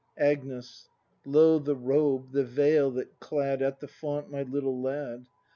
Agnes. Lo, the robe, the veil that clad At the font my little lad.